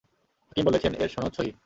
হাকিম বলেছেন, এর সনদ সহীহ।